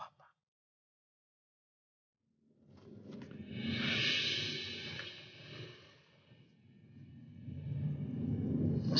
kamu masih butuh sama papa